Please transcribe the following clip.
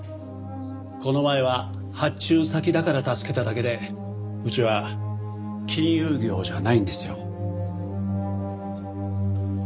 この前は発注先だから助けただけでうちは金融業じゃないんですよ。